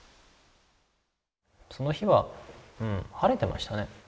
その日は晴れてましたね